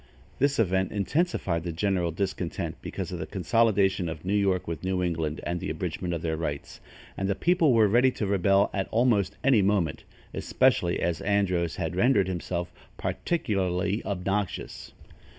This event intensified the general discontent, because of the consolidation of New York with New England and the abridgment of their rights, and the people were ready to rebel at almost any moment, especially as Andros had rendered himself particularly obnoxious.